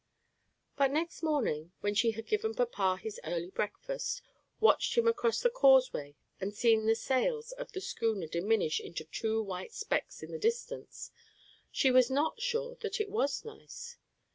But next morning, when she had given papa his early breakfast, watched him across the causeway, and seen the sails of the schooner diminish into two white specks in the distance, she was not sure that it was nice.